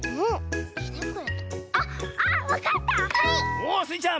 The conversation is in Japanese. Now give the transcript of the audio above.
おっスイちゃん！